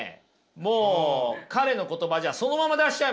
もう彼の言葉そのまま出しちゃいましょう。